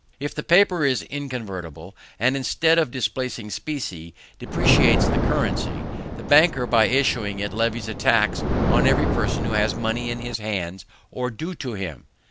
If the paper is inconvertible, and instead of displacing specie depreciates the currency, the banker by issuing it levies a tax on every person who has money in his hands or due to him.